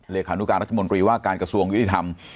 เลขานุการรัฐมนตรีว่าการกระทรวงยุติธรรม